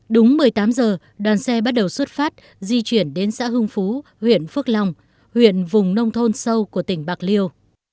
đúng một mươi tám h đoàn xe bắt đầu xuất phát di chuyển đến xã hưng phú huyện phước long huyện vùng nông thôn sâu của tỉnh bạc liêu